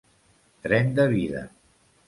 Tren de vida.